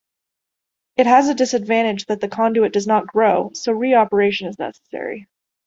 It has a disadvantage that the conduit does not grow, so re-operation is necessary.